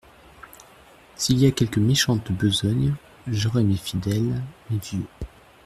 S’il y a quelque méchante besogne, j’aurai mes fidèles, mes vieux.